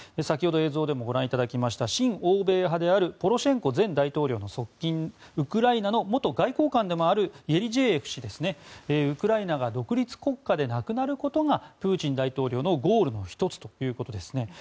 先ほど映像でもご覧いただきました親欧米派であるポロシェンコ前大統領の側近ウクライナの元外交官でもあるイェリジェーエフ氏ですねウクライナが独立国家ではなくなることがプーチン大統領のゴールの１つということです。